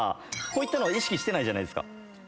こういったのは意識してないじゃないですか。